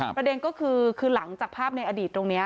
ประเด็นก็คือคือหลังจากภาพในอดีตตรงนี้